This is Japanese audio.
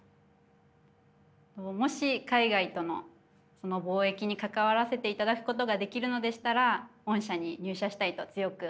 もし海外との貿易に関わらせていただくことができるのでしたら御社に入社したいと強く思います。